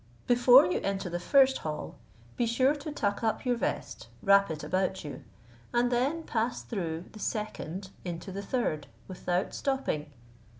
Before you enter the first hall, be sure to tuck up your vest, wrap it about you, and then pass through the second into the third without stopping.